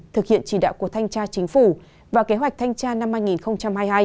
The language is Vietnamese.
thực hiện chỉ đạo của thanh tra chính phủ và kế hoạch thanh tra năm hai nghìn hai mươi hai